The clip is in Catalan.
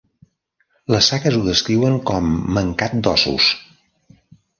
Les sagues ho descriuen com mancat d'ossos.